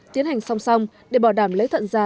tiến hành song song để bảo đảm lấy thận ra